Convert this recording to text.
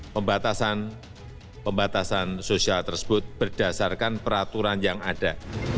pembatasan sosial tersebut berdasarkan peraturan yang ada